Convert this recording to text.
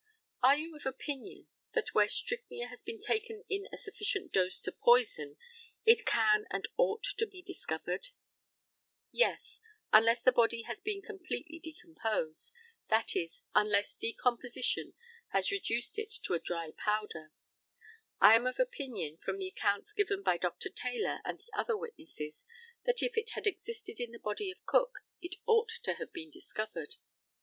Are you of opinion that where strychnia has been taken in a sufficient dose to poison it can and ought to be discovered? Yes; unless the body has been completely decomposed; that is, unless decomposition has reduced it to a dry powder. I am of opinion from the accounts given by Dr. Taylor and the other witnesses, that if it had existed in the body of Cook it ought to have been discovered.